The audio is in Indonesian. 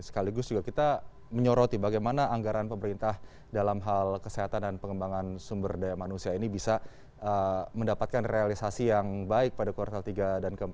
sekaligus juga kita menyoroti bagaimana anggaran pemerintah dalam hal kesehatan dan pengembangan sumber daya manusia ini bisa mendapatkan realisasi yang baik pada kuartal tiga dan keempat